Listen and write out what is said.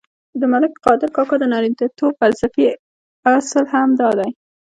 د ملک قادر کاکا د نارینتوب فلسفې اصل هم دادی.